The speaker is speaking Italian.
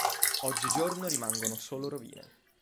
Oggigiorno rimangono solo rovine.